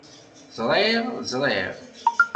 Zriɣ…Zriɣ…